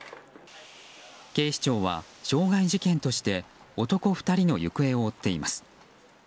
警視庁は傷害事件として男２人の行方を追っています。